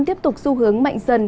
tiếp tục xu hướng mạnh dần